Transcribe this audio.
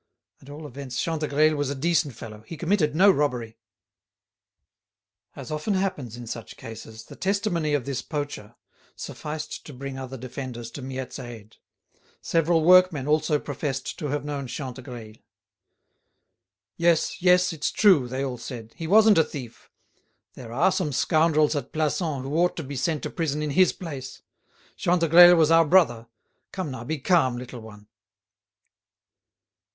At all events Chantegreil was a decent fellow; he committed no robbery." As often happens in such cases, the testimony of this poacher sufficed to bring other defenders to Miette's aid. Several workmen also professed to have known Chantegreil. "Yes, yes, it's true!" they all said. "He wasn't a thief. There are some scoundrels at Plassans who ought to be sent to prison in his place. Chantegreil was our brother. Come, now, be calm, little one."